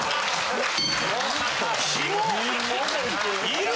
いる？